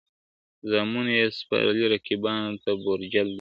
زامنو یې سپارلی رقیبانو ته بورجل دی ,